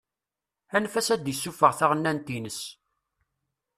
Anef-as ad d-isuffeɣ taɣennant-ines.